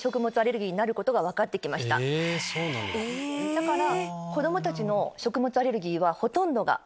だから。